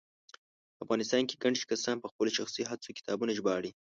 په افغانستان کې ګڼ کسان په خپلو شخصي هڅو کتابونه ژباړي